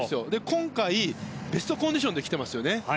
今回、ベストコンディションできていますよね。